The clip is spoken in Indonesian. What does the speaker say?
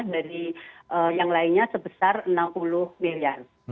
dari yang lainnya sebesar rp enam puluh miliar